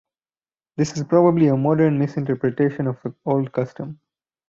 This is probably a modern misinterpretation of the old custom.